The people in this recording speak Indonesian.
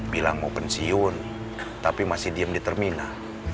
bilang mau pensiun tapi masih diem di terminal